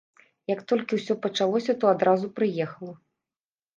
Як толькі ўсё пачалося, то адразу прыехаў.